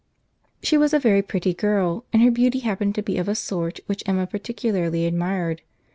She was a very pretty girl, and her beauty happened to be of a sort which Emma particularly admired.